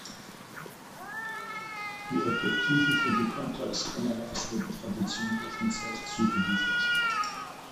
Die Objektive für die Contax-Kameras wurden traditionell von Zeiss zugeliefert.